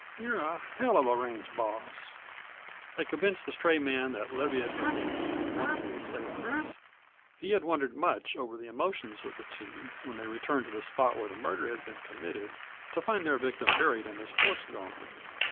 "You're a hell of a range boss," had convinced the stray man that Leviatt had been one of the assailants. He had wondered much over the emotions of the two when they returned to the spot where the murder had been committed, to find their victim buried and his horse gone.